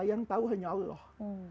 yang tahu hanya allah